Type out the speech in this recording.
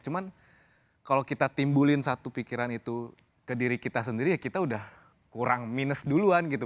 cuman kalau kita timbulin satu pikiran itu ke diri kita sendiri ya kita udah kurang minus duluan gitu